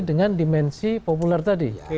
dengan dimensi populer tadi